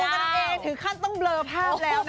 ดูกันเอถือขั้นต้องเบลอภาพแล้วนะ